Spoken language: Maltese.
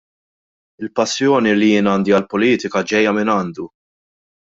Il-passjoni li jien għandi għall-politika ġejja mingħandu.